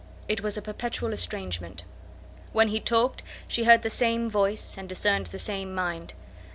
It was a perpetual estrangement. When he talked, she heard the same voice, and discerned the same mind.